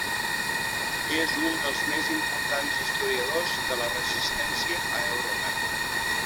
És un dels més importants historiadors de la Resistència a Europa.